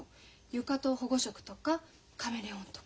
床と保護色とかカメレオンとか。